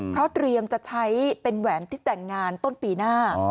เพราะเตรียมจะใช้เป็นแหวนที่แต่งงานต้นปีหน้า